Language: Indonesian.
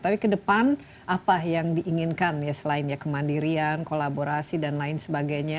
tapi ke depan apa yang diinginkan ya selain ya kemandirian kolaborasi dan lain sebagainya